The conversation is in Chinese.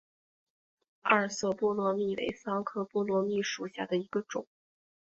二色波罗蜜为桑科波罗蜜属下的一个种。